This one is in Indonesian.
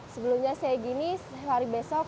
sebelumnya saya gini hari besok